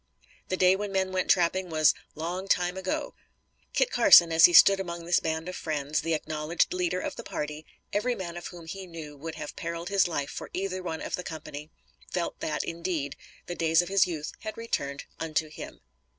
The day when men went trapping was "long time ago." Kit Carson, as he stood among this band of friends, the acknowledged leader of the party, every man of whom he knew would have periled his life for either one of the company, felt that, indeed, the days of his youth had returned unto him.